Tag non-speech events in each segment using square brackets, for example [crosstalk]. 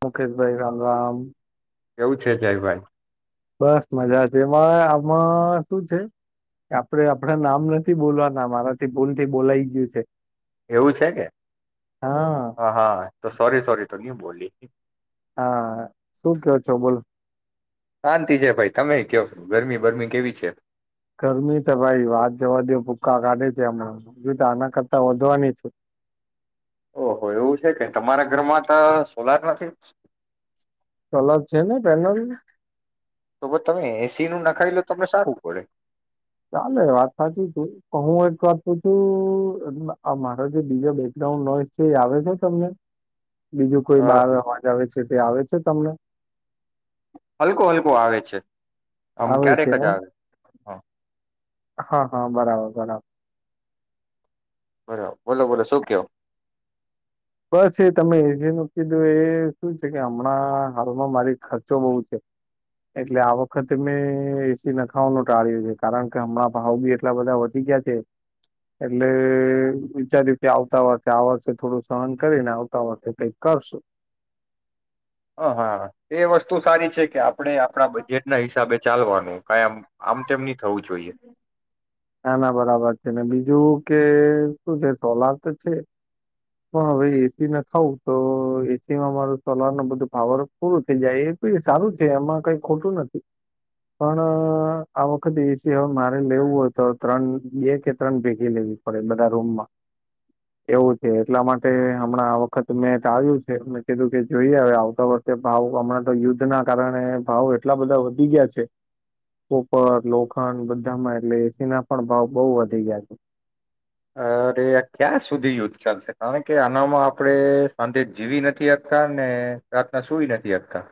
મુકેશભાઈ રામરામ. કેવું છે? જયભાઈ. બસ મજા છે એમાં આમાં શું છે આપડે આપણા નામ નથી બોલવાના મારાથી ભૂલ થી બોલાય ગયું છે એવું છે કે હા હ હા તો સોરી સોરી તો નય બોલી હા શું કયો છો બોલ શાંતિ છે ભાઈ તમે કયો ગરમી બરમી કેવી છે ગરમી તો ભાઈ વાત જોવા દે ભૂક્કા કાઢે છે હમણાં સમજ તો આના કરતા, વધવાની છે. ઓહ એવું છે કે તમારા ઘરમાં તો સોલાર નથી ચલા જ છે ને પેનલ તો તમે એસી નું નાખાઈ લો તમને સારું પડે ચાલે વાત સાચી છે હું એક વાત પૂ છું મારા જે બીજા બેકગ્રાઉન્ડ નોઈસ છે એ આવે છે તમને બીજું કોઈ અ બાર અવાજ આવે છે તે આવે છે તમને હલકો હલકો આવે છે, આમ આવે છે ક્યારેક જ એમ આવે હા હા હા બરાબર બરાબર બરાબર બોલો બોલો શું કયો? બસ એ તમે એસી ન કીધું એ શું છે કે હમણાં હાલમાં મારી ખર્ચો બહુ છે એટલે આ વખતે મેં એસી નખાવાનું ટાળ્યું છે કારણ કે હમણાં ભાવ બી એટલા બધા વધી ગયા છે એટલે વિચાર્યું કે આવતા વર્ષે આ વર્ષે થોડું, સહન કરીને આવતા વખતે કઈક કરશું હ હા એ વસ્તુ સારી છે કે. આપણે આપણા બજેટ ના હિસાબે ચાલવાનું. કમ આમ તેમમની. નાના બરાબર છે ને બીજ. જોવું કે શું છે સોલાર તો છે પણ હવે એસી ના ખાવું તો એસી માં મામાર સોલાર ન બધું પાવર પૂરું થઈ જાય એ સારું છે એમાં કઈ ખોટું નથી પણ આ વખતે એસી. હવે મારે લેવું હોય તો ત્રણ બે કે ત્રણ ભેગી લેવી પડે બધા રૂમમાં એવું છે એટલા માટે હમણાં આ વખત મે જ આવ્યું છે, મે કીધું કે જોઈ આવે આવતા વખતે ભાવ હમણાં તો યુદ્ધ ના કારણે ભાવ એટલા બધા વધી ગયા છેર લોકો. પણ બધામાં એટલે એસી ના પણ ભાવ બઉુ વધી ગયા છે. અરે આ ક્યાં સુધી યુદ્ધ ચાલશે કારણ કે આનામાં આપણે સાંજે જીવી નથી. આપકતા ને પ્રાર્થના સુવી નથી આપતા.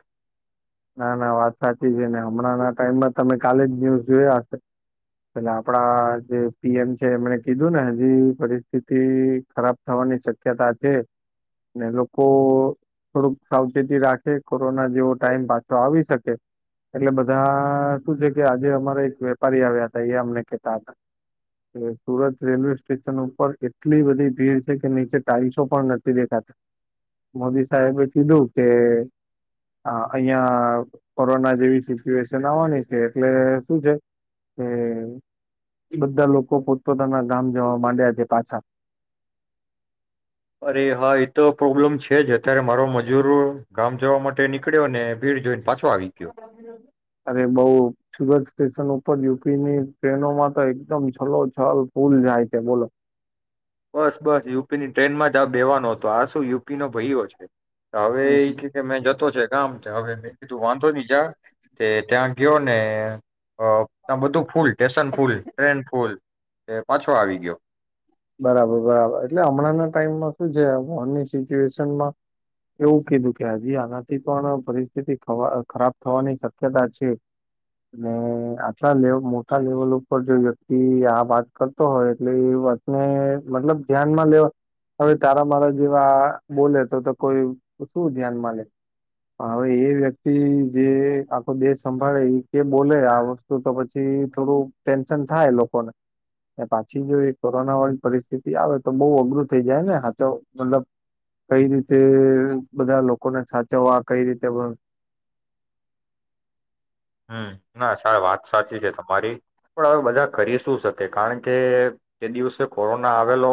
ના ના વાત સાચી છે ને હમણાં ના ટાઈમમાં તમે કાલે જ ન્યુઝ જોયા હશે એટલે આપડા જે પીએમ છે એમણે કીધું ને હજી પરિસ્થિતિ ખરાબ થવાની શક્યતા છે લોકો થોડક સાવચેતી રાખે કોરોના જેવો ટાઈમ. તો આવી શકે એટલે બધા શું છે કે આજે અમારા એક વેપારી આવ્યા હતા એ અમને કેતા હતા કે સુરત રેલવે સ્ટેશન ઉપર એટલી બધી ભીડ છે કે નીચે ટાઇલ્સો પણ નથી દેખાતા મોદી સાહેબે કીધું કે. અહિયાં કોરોના જેવી સિચ્યુએશન આવવાની છે એટલે શું છે કે બધા લોકો પોતપોતાના ગામ જવા માંડ્યા છે પાછા. અરે હા એતો પ્રોબ્લેમ છે જ અત્યારે મારો મજૂરો ગામ જવા માટે નીકળ્યો ને ભીડ જોઈને પાછ. અરે બઉ સુુભ. સ્ટેશન ઉપર યુપીની ટ્રેનોમાં તો એકદમ છલો છલ ફૂલ જાય છે બોલો. બસ બસ યુપી ની ટ્રેન માં જ આ બેેવાનો હતો. તો આ શું યુપી નો ભાઈઓ છે તો હવે હમ એ હમ. કે કે મેં જતો છે ગામ હવે મે કીધું વાંધો નહી જા. તે ત્યાં ગયો ને ત્યાં બધું full. Station full train full. એ પાછો આવી ગયો. બરાબર બરાબર એટલે હમણાંના ટાઈમમાં શું છે વનની સિચ્યુએશનમાં એવું કીધું કે હજી આનાથી પણ પરિસ્થિતિ ખરાબ થવાની શક્યતા છે આટલા લે મોટા લેવલ ઉપર જો વ્યક્તિ આ વાત કરતો હોય એટલે એ વાત. ને મતલબ ધ્યાનમાં લેવા હવે તારા મારા જેવા બોલે તો કોઈ શું ધ્યાનમાં લે પણ હવે એ વ્યક્તિ જે આખો દેહ સંભાળે એ કે બોલે આ વસ્તુ તો પછી થોડું ટેન્શન થાય લોકોને પાછી જો. કોરોના વાળી પરિસ્થિતિ આવે તો બહ અઘરું થઈ જાય ને સાચો મતલબ કઈ રીતે બધા લોકોને સાચવવા કઈ રીતે. હમ ના સ વાત સાચી છે તમારી પણ હવે બધા કરી શું શકે કારણ કે જે દિવસે કોરોના આવેલો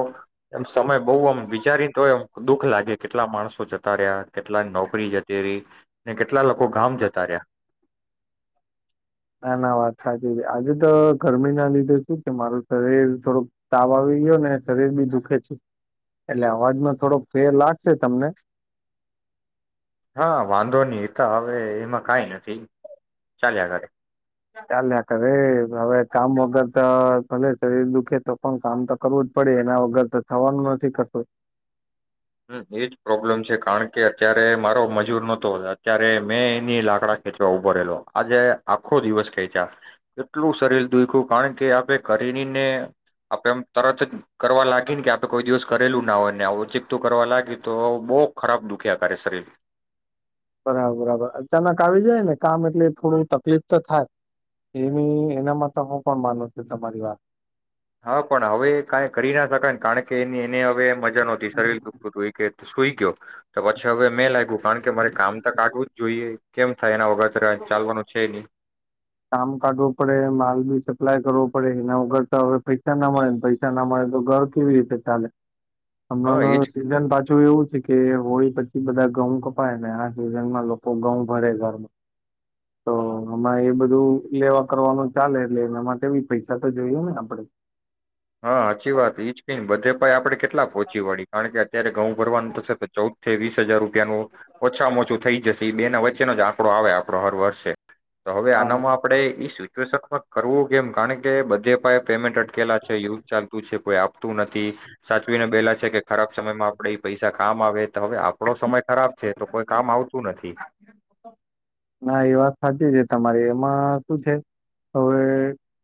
એમ સમય બહુ આમ વિચારી તો એમ દુઃખ લાગે કેટલા માણસો જતા રહ્યા કેટલા નોકરી જતી રહી ને કેટલા લોકો ગામ જતા રહ્યા. ના ના વાત સાચી આજે તો ગરમી ના લીધે શું કે મારું શરીર થોડુંક તાવ આવી ગયો ને શરીર બી દુખે છે એટલે અવાજમાં થોડોક ફેર લાગશે તમને. હા વાંધો નહીતા હવે એમાં કઈ નથી ચાલ્યા ઘરે. ચાલ્યા કર રે હવે કામ વગર તો ભલે શરીર દુખે તો પણ કામ તો કરવું જ પડે, એના વગર તો થવાનું નથી કરતું. હ એજ પ્રોબ્લેમ છે કારણ કે અત્યારે મારો મજૂર નતો અત્યારે મેં એની લાકડા ખેંચવા ઉભો રહેલો આજે આખો દિવસ ખેંચ્યા એટલું સરીર દુઈખ્યું કારણ કે આપે કરી ને આપે એમ તરત જ કરવા લાગી ને કે આપે કોઈ દિવસ કરેલું ના હોય ને આવ. કરવા લાગી તો બહુ ખરાબ દુખ્યાકારે શરીર. બરાબર બરાબર અચાનક આવી જાય ને કામ એટલે થોડું તકલીફ તો થાય એની એનામાં તો હું પણ માનું છું તમારી વાત. હા, પણ હવે કઈ કરી ના શકાય કારણ કે એની. ને હવે મજા નહોતી સલઈ કે. સઈ કવ પછ. છા હવે મેં લાગ્યું કારણ કે મારે કામ તો કાાગવું જ જોઈએ. કેમ થાય એના. ત ચાલવાનું છે નહી. કામ કાઢવું પડે માલ બી સપ્લાય કરવો પડે એના વગર તો હવે પૈસા ના મળે પૈસા ના મળે તો ઘર કેવી રીતે ચાલે. હા હમણાં એજ ન સિઝન પાછું એવું છે. કે હોય પછી, બધા ઘઉં કપાય ને આ સિઝનમાં લોકો ઘઉં ભરે ઘરમાં. તો આમાં એ બધું લેવા કરવાનું ચાલે એટલે એ એમાંવી પૈસા તો જોયું ને આપડે. હા સાચી વાત ઈજ ક બધે પાય આપડે કેટ. એટલા પહોંચી વડી કારણ કે ત્યારે ગઉં ભવારનું થશે પણ ચૌદ થી વીસ હજાર રૂપિયાનું ઓછામાં ઓછું થઈ જશે ઈ બે ના વચ્ચેનો જ આંકડો આવે આપડો હર વર્ષે. તો હવે હા આનામાં આપડે ઈ શ [unintelligible] કરવું કેમ કારણ કે બધે પાહે પેમેન્ટ અટકેલા છે એવું જ ચાલતું છે, કોઈ આપતું નથી, સાચવીને બેેલા છે કે ખરાબ સમયમાં આપણેે ઈ પૈસા કામ આવે. તો હવે આપડો સમય ખરાબ છે, તો કોઈ કામ આવતું નથી. ના એ વાત હાચી છે તમારી. એમાં શું છે હવે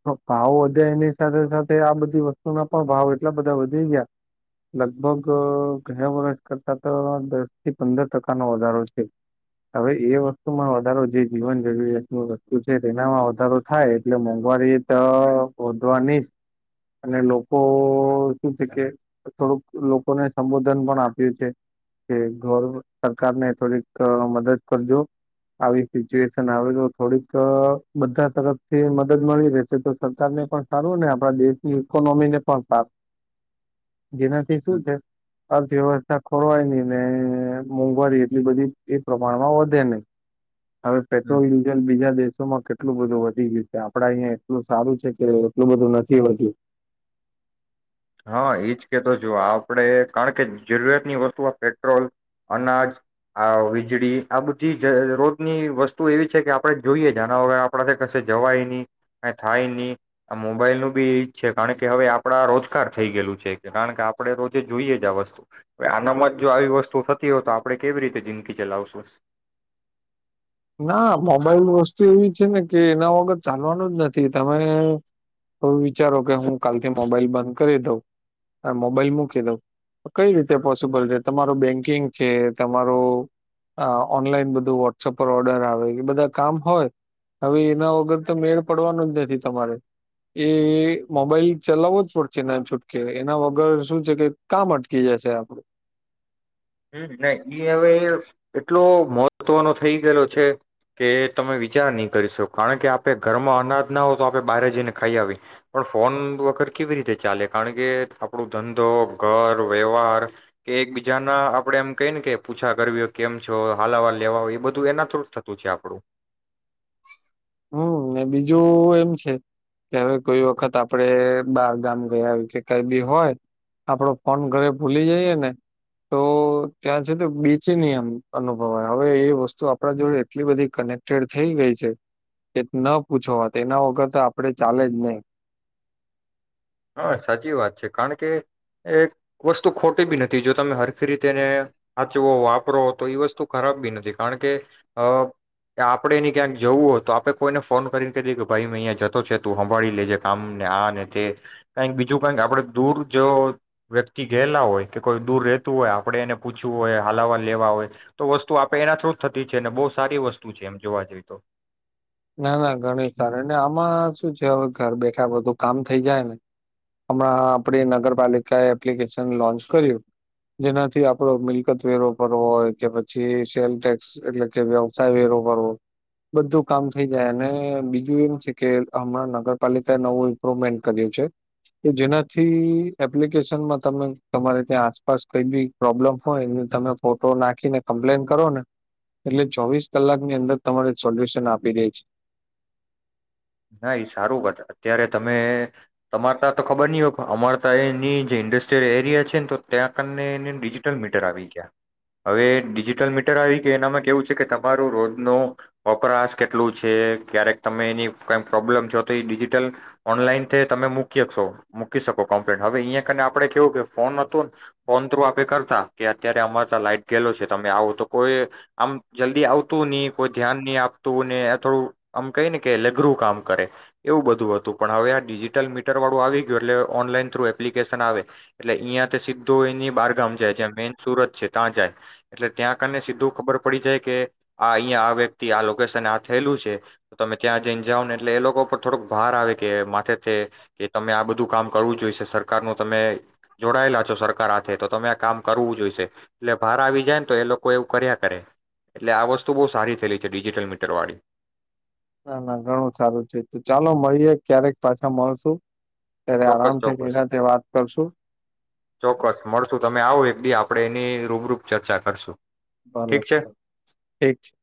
આ ભાવ વધે એની સાથે સાથે આ બધી વસ્તુ ના પણ ભાવ એટલા બધા વધી ગયા, લગભગ અહ ગયા વર્ષ કરતા તો દસ થી પંદર ટકાનો વધારો છે. હવે એ વસ્તુમાં વ ધારો જે જીવન જરૂરિયાત ની વસ્તુ છે તેનામાં વધારો થાય એટલે મોંઘવારી તો વધવાની જ, અને લોકોનું શું છે કે થોડુંક લોકોને સંબોધન પણ આપ્યું છે કે ગર્વ સરકારને થોડીક મદદ કરજો. આવી સિચ્યુએશન આવે તો થોડીક અહ બધા તરફથી એ મદદ મળી રહેશે, તો સરકારને પણ સારું ને આપણા દેશની ઈકોનોમીને પણ સારું. જેનાથી શું હમ છે અર્થવ્યવસ્થા ખોરવાય નહી ને મોંઘવારી એટલી બધી એ પ્રમાણમાં વધે નહી. હવે હમ પેટ્રોલ ડીઝલ બીજા દેશ શોમાં કેટલું બધું વધી ગયું છે, આપડા અહિયાં એટલું સારું છે કે એટલું બધું નથી વધ્યું. હા ઈજ કે તો છું, આપણે કારણ કે જરૂરિયાતની વસ્તુમાં પેટ્રોલ, અનાજ આ વીજળી આ બધી જ રોજની વસ્તુ એવી છે કે આપડે જોઈએ જ આના વગર આપણા કે કશે જવાય નહી, કાઈ થાય નહી, આ મોબાઈલનુંબી ઈજ છે કારણ કે હવે આપડા રોજ [unintelligible] થઈ ગયેલું છે કારણ કે આપણે રોજે જોઈએ જ આ વસ્તુ. હવે આનામાં જ જો આવી વસ્તુ થતી હો તો આપડણે કેવી રીતે જિંદગી ચલાવશું? ના મોબાઈલ વસ્તુ એવી છે ને કે એના વગર ચાલવાનું જ નથી. તમારે કો વિચારો કે હું કાલથી મોબાઈલ બંધ કરી દઉં ને મોબાઈલ મૂકી દઉં તો કઈ રીતે પોસિબલ છે, તમારું બેંકિંગ છે, તમારું અહ ઓનલાઈન બધું વોટ્સઅપ પર ઓર્ડર આવે ઈ બધા કામ હોય, હવે એના વગર તો મેળ પડવાનો જ નથી તમારે. એ એ મોબાઈલ ચલાવવો જ પડશે ના છૂટકે, એના વગર શું છે કે કામ અટકી જશે આપડું. હમ્મ, [unintelligible] ઈ હવે એટલો મહત્વનો થઈ ગયેલો છે કે તમે વિચાર નહી કરી શકો, કારણ કે આપે ઘરમાં અનાજ ના હોવ તો આપણે બહારે જઈને ખાઈ આવી, પણ ફોન વગર કેવી રીતે ચાલે? કારણ કે આપણું ધંધો, ઘર, વ્યવહાર કે એકબીજાના આપડે એમ કઈને કે પૂછા કરવી કેમ છો, હાલાવા લેવા, ઈ બધું એના થ્રું જ થતું છે આપડું. હમ્મ. ને બીજું એમ છે કે હવે કોઈ વખત આપડે બાર ગામ ગયા હોય કે કઈ બી હોય, આપડો ફોન ઘરે ભૂલી જઈએ ને તો ત્યાં છે તો બીચની એમ અનુભવાય હવે એ વસ્તુ આપણા જોડે એટલી બધી કનેક્ટેડ થઈ ગઈ છે કે ન પૂછો વાત, એના વગર તો આપણે ચાલે જ નહીં. હા સાચી વાત છે, કારણ કે એક વસ્તુ ખોટી બી નથી, જો તમે હરખી રીતે એને હાચવો, વાપરો તો ઈ વસ્તુ ખરાબ બી નથી, કારણ કે અહ કે આપણે એની ક્યાંક જવું હોય તો આપણે કોઈને ફોન કરીને કહી દેય કે ભાઈ મે અહીંયા જતો છે, તું હંભાળી લેજે કામને આ ને તે. કાઈક બીજું કાઈક આપણે દૂર જો વ્યક્તિ ગયેલા હોય, કે કોઈ દૂર રહેતું હોય આપણે એને પૂછવું હોય, હાલાવા લેવા હોય, તો વસ્તુ આપણે એના થ્રુ જ થતી છે, ને બહુ સારી વસ્તુ છે એમ જોવા જઈએ તો. ના, ના ઘણી સારી. ને આમાં શું છે હવે ઘર બેઠા બધું કામ થઈ જાય, હમણાં આપડી નગરપાલિકા એ એપ્લિકેશન લોન્ચ કર્યું જેનાથી આપડો મિલકત વેરો ભરવો હોય કે પછી સેલ ટેક્સ એટલે કે વ્યવસાય વેરો ભરવું બધું કામ થઈ જાય, અને બીજું એમ છે કે હમણાં નગરપાલિકાએ નવું ઈમ્પ્રુવમેન્ટ કર્યું છે કે જેનાથી એપ્લિકેશનમાં તમે તમારે ત્યાં આસપાસ કઈ બી પ્રોબ્લમ હોય એ તમે ફોટો નાખીને કમ્પ્લેન કરો ને એટલે ચોવીસ કલાકની અંદર તમારે સોલ્યુશન આપ પી દે છે. ના ઈ સારું વાત [unintelligible] અત્યારે તમે તમાર તા તો ખબર નહી હોય અમાર તા એની જે ઇન્ડસ્ટ્રીયલ એરિયા છે ને તો ત્યાં તને એને ડિજિટલ મીટર આવી ગયા. હવે ડિજિટલ મીટર આવી ગયા એનામાં કેવું છે કે તમારું રોજનો વપરાશ કેટલું છે, ક્યારેક તમે એની કાઈ પ્રોબ્લેમ થયો તો એ ડિજીિટલ ઓનલાઈનથી તમે મૂકી હકશો મૂકી શકો કમ્પ્લેન. હવે અહીંયાને આપણે કેવું કે ફોન હતુંન, ફોન થ્રુ આપણે કરતા કે અત્યારે અમાર તા લાઈટ ગયેલું છે, તમે આવો તો કોઈ આમ જલ્દી આવ તું ની કોઈ ધ્યાન નહીં આપતું ને થોડું આમ કહી ને કે લેઘરું કામ કરે, એવું બધું હતું. પણ હવે આ ડિજિટલ મીટર વાળું આવી ગયું એટલે ઓનલાઈન થ્રુ એપ્લિકેશન આવે એટલે ઈયાથે સીધું એની બારગામ જાય જે મેઈન સુરત છે. તા જાય એટલે ત્યાં કને સીધું ખબર પડી જાય કે આ અહીંયા આ વ્યક્તિ આ લોકેશન આ થયેલું છે, તમે ત્યાં જઈને જાઓ ને એટલે એ લોકો પર થોડુંક ભાર આવે કે માથે છે કે તમે આ બધું કામ કરવું જોઈશે. સરકારનું તમે જોડાયેલા છો સરકાર હાથે, તો તમે આ કામ કરવું જોઈશે. એટલે ભાર આવી જાય ને તો એ લોકો એવું કર્યા કરે, એટલે આ વસ્તુ બહુ સારી થયેલી છે ડિજિટલ મીટર વાળી. ના, ના ઘણું સારું થઈ ગયું. ચાલો મળીએે ક્યારેક પાછા મળશુ. ચોક્કસ ચોક્કસ ચોક્કસ મળશું તમે આવો એક બી આપ આપણે એની રૂબરૂપ ચર્ચા કરશું. ભલે‌ ઠીક છે ઠીક છે.